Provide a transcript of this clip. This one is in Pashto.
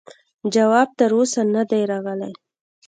جواب تر اوسه نه دی راغلی.